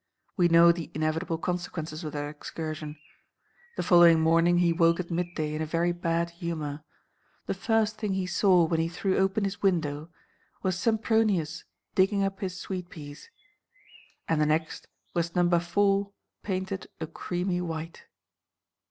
We know the inevitable consequences of that excursion. The following morning he woke at midday in a very bad humour. The first thing he saw when he threw open his window, was Sempronius digging up his sweet peas; and the next was Number Four painted a creamy white.